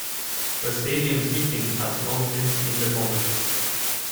The stadium seating has long since been demolished.